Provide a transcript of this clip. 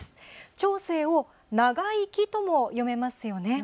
長生をながいきとも読めますよね。